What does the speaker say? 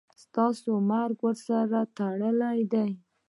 ستا مرګ ورسره تړلی دی.